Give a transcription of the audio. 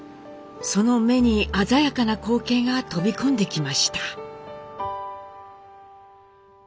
その目に鮮やかな光景が飛び込んできました。